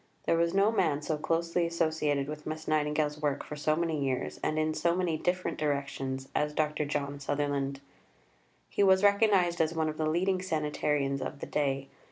There was no man so closely associated with Miss Nightingale's work for so many years, and in so many different directions, as Dr. John Sutherland. He was recognized as one of the leading sanitarians of the day.